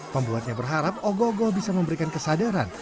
pembuatnya berharap ogo ogoh bisa memberikan kesadaran